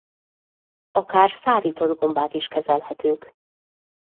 Akár szárított gombák is kezelhetők.